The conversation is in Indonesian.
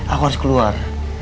aku harus keluar